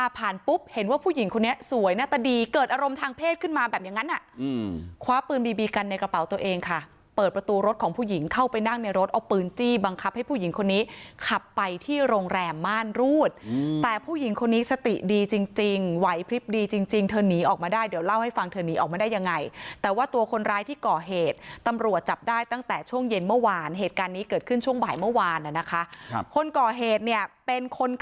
เปิดประตูรถของผู้หญิงเข้าไปนั่งในรถเอาปืนจี้บังคับให้ผู้หญิงคนนี้ขับไปที่โรงแรมม่านรูดแต่ผู้หญิงคนนี้สติดีจริงไหวพลิบดีจริงเธอหนีออกมาได้เดี๋ยวเล่าให้ฟังเธอหนีออกมาได้ยังไงแต่ว่าตัวคนร้ายที่ก่อเหตุตำรวจจับได้ตั้งแต่ช่วงเย็นเมื่อวานเหตุการณ์นี้เกิดขึ้นช่วงบ่ายเมื่